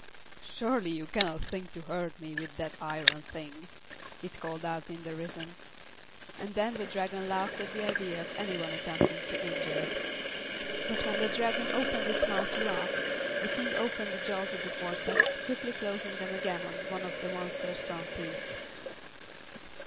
"Surely you can not think to hurt me with that iron thing," it called out, in derision. And then the Dragon laughed at the idea of any one attempting to injure it. But when the Dragon opened its mouth to laugh, the King opened the jaws of the forceps, quickly closing them again on one of the monster's front teeth.